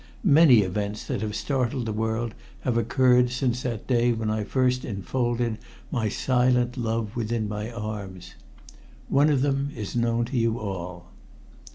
Many events that have startled the world have occurred since that day when I first enfolded my silent love within my arms. One of them is known to you all.